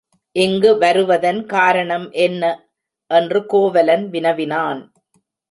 இங்கு வருவதன் காரணம் என்ன? என்று கோவலன் வினவினான்.